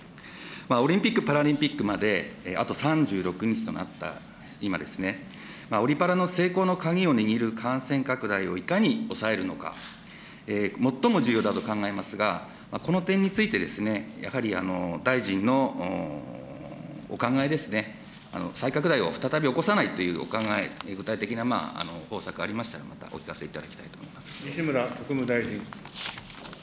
オリンピック・パラリンピックまであと３６日となった今、オリパラの成功の鍵を握る感染拡大をいかに抑えるのか、最も重要だと考えますが、この点について、やはり大臣のお考えですね、再拡大を再び起こさないというお考え、具体的な方策ありましたら、またお聞かせいただきたいと思います。